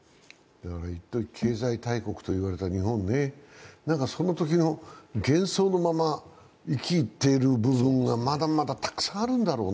いっとき、経済大国と言われた日本ね、そのときの幻想のまま生きている部分がまだまだたくさんあるんだろうね。